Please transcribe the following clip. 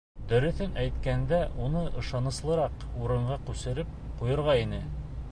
Дөрөҫөн әйткәндә, уны ышаныслыраҡ урынға күсереп ҡуйырға ине.